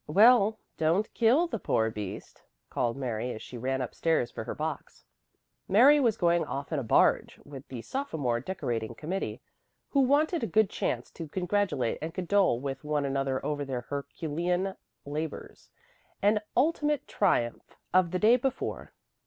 "Well, don't kill the poor beast," called Mary as she ran up stairs for her box. Mary was going off in a barge with the sophomore decorating committee, who wanted a good chance to congratulate and condole with one another over their Herculean labors and ultimate triumph of the day before.